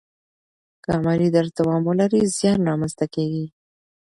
که عملي درس دوام ولري، زیان را منځ ته کیږي.